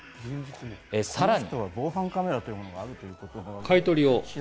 さらに。